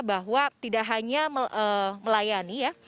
bahwa tidak hanya melayani ya